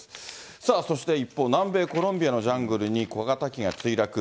さあそして一方、南米コロンビアのジャングルに小型機が墜落。